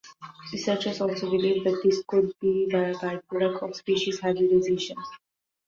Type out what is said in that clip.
Researchers also believe that this could be a by-product of species hybridization.